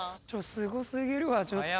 すごすぎるわちょっと。